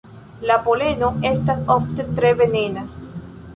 La poleno estas ofte tre venena.